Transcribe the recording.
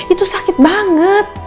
itu sakit banget